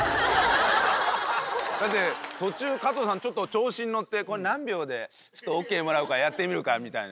だって途中加藤さんちょっと調子に乗って「何秒でＯＫもらうかやってみるか」みたいな。